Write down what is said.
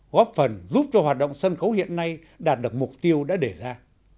góp phần giúp cho hoạt động sân khấu hiện nay đạt được mục tiêu đã để ra